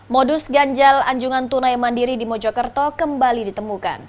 modus ganjal anjungan tunai mandiri di mojokerto kembali ditemukan